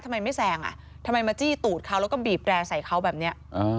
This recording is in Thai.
ทำไมไม่แซงอ่ะทำไมมาจี้ตูดเขาแล้วก็บีบแร่ใส่เขาแบบนี้